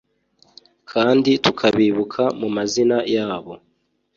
kandi tukabibuka mu mazina yabo